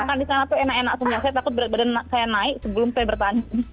makan di sana itu enak enak semuanya saya takut badan saya naik sebelum bertanding